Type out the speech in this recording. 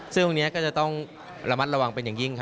ซึ่งตรงนี้ก็จะต้องระมัดระวังเป็นอย่างยิ่ง